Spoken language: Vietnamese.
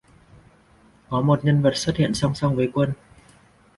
Có một nhân vật xuất hiện song song với Quân